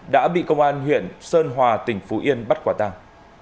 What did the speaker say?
đã bị công an huyện sơn hòa tỉnh phú yên bắt quả tàng